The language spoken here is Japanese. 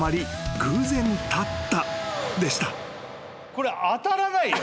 これ当たらないよ。